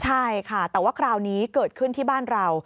ใช่ค่ะแต่ว่าคราวนี้เกิดขึ้นที่บ้านเรา